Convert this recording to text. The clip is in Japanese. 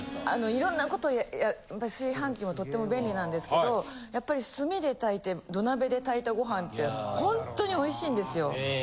いろんなこと炊飯器もとっても便利なんですけどやっぱり炭で炊いて土鍋で炊いたご飯ってほんとにおいしいんですよ。